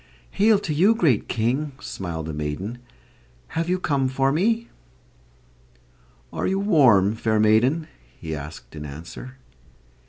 "Hail to you, great King!" smiled the maiden. "Have you come for me?" "Are you warm, fair maiden?" he asked in answer.